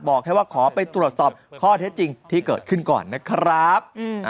บอกแค่ว่าขอไปตรวจสอบข้อเท็จจริงที่เกิดขึ้นก่อนนะครับ